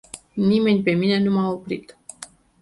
Nici pe mine nu m-a oprit.